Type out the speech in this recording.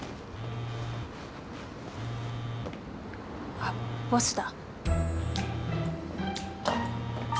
あっボスだ。